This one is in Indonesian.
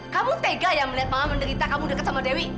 kamu tega ya melihat malah menderita kamu dekat sama dewi